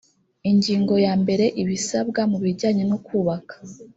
ingingo yambere ibisabwa mu bijyanye no kubaka